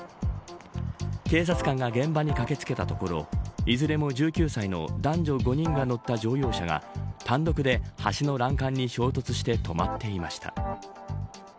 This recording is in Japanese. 警察官が現場に駆けつけたところいずれも１９歳の男女５人が乗った乗用車が単独で橋の欄干に衝突して止まっていました。